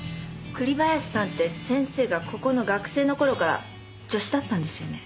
栗林さんって先生がここの学生のころから助手だったんですよね？